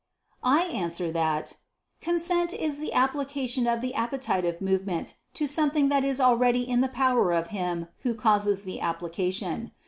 I answer that, Consent is the application of the appetitive movement to something that is already in the power of him who causes the application.